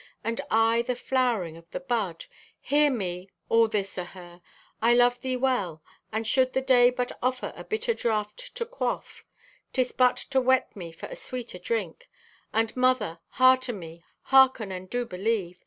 And I the flowering of the bud! Hear me, all this o' her! I love thee well, and should the day but offer a bitter draft to quaff, 'tis but to whet me for a sweeter drink. And mother, heart o' me, hearken and do believe.